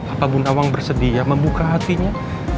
apa punawang bersedia membuka hatinya